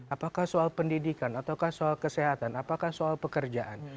apakah soal pendidikan atau soal kesehatan apakah soal pekerjaan